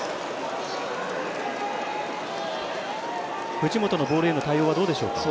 藤本のボールへの対応はどうでしょうか？